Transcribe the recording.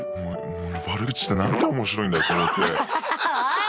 悪口ってなんて面白いんだと思って。